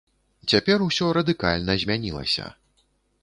Цяпер усё радыкальна змянілася.